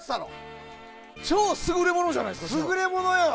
超優れものじゃないですか。